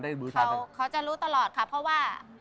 เขาจะรู้ตลอดครับเพราะว่าพอออกมา